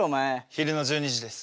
昼の１２時です。